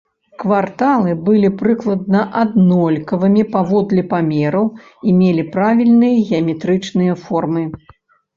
Кварталы былі прыкладна аднолькавымі паводле памераў і мелі правільныя геаметрычныя формы.